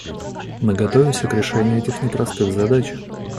Мы готовимся к решению этих непростых задач.